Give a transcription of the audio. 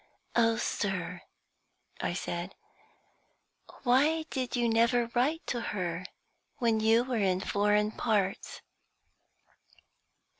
"Oh, sir," I said, "why did you never write to her when you were in foreign parts?"